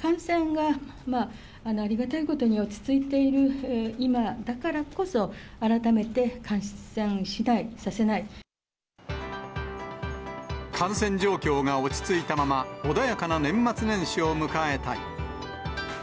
感染がありがたいことに、落ち着いている今だからこそ、感染状況が落ち着いたまま、穏やかな年末年始を迎えたい。